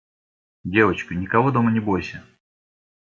«Девочка, никого дома не бойся.